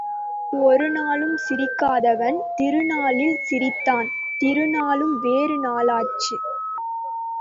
ஒரு நாளும் சிரிக்காதவன் திருநாளில் சிரித்தான், திருநாளும் வேறு நாளாச்சுது.